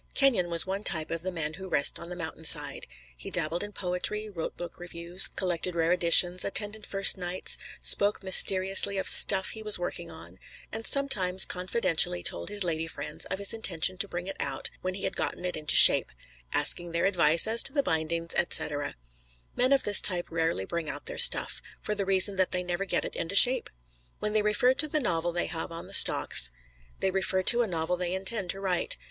Kenyon was one type of the men who rest on the mountain side. He dabbled in poetry, wrote book reviews, collected rare editions, attended first nights, spoke mysteriously of "stuff" he was working on; and sometimes confidentially told his lady friends of his intention to bring it out when he had gotten it into shape, asking their advice as to bindings, etc. Men of this type rarely bring out their stuff, for the reason that they never get it into shape. When they refer to the novel they have on the stocks, they refer to a novel they intend to write.